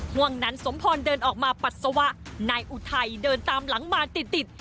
ห่วงนั้นสมพรเดินออกมาปัสสาวะนายอุทัยเดินตามหลังมาติดติด